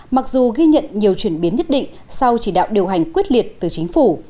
mặc dù ghi nhận nhiều chuyển biến nhất định sau chỉ đạo điều hành quyết liệt từ chính phủ